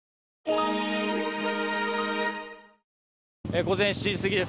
午前７時すぎです。